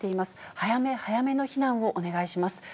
早め早めの避難をお願いします。